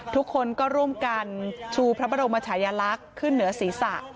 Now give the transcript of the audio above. ทุกคนก็ร่วมกันชูพระบรมชายลักษณ์ขึ้นเหนือศีรษะ